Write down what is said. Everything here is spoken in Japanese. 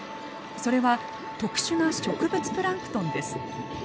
それは特殊な植物プランクトンです。